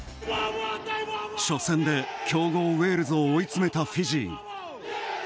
初戦で強豪ウェールズを追い詰めた、フィジー。